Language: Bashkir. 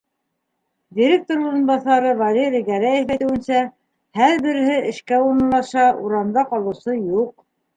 Директор урынбаҫары Валерий Гәрәев әйтеүенсә, һәр береһе эшкә урынлаша, урамда ҡалыусы юҡ.